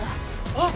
あっ！